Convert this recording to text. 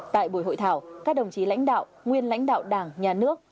tại buổi hội thảo các đồng chí lãnh đạo nguyên lãnh đạo đảng nhà nước